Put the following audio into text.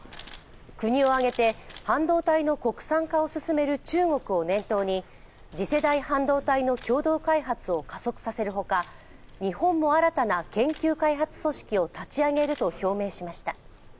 国を挙げて半導体の国産化を進める中国を念頭に次世代半導体の共同開発を加速させるほか、日本も新たな研究開発組織を立ち上げると表明しました。